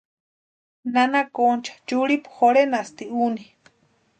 Nana Concha churhipu jorhenasti úni.